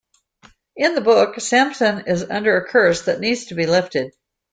In the book, Samson is under a curse that needs to be lifted.